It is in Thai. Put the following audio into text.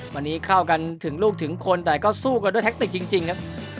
วันนี้เข้ากันถึงลูกถึงคนแต่ก็สู้กันด้วยแท็กติกจริงครับ